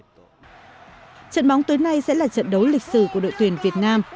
trận bóng tối nay sẽ là trận đấu lịch sử của đội tuyển việt nam